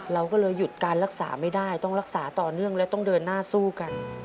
เราก็เลยหยุดการรักษาไม่ได้ต้องรักษาต่อเนื่องและต้องเดินหน้าสู้กัน